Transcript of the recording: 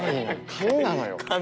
紙なのよ。